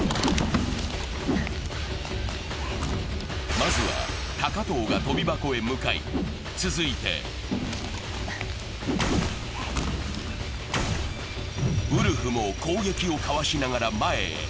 まずは高藤が跳び箱へ向かい、続いてウルフも攻撃をかわしながら前へ。